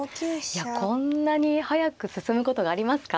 いやこんなに速く進むことがありますか。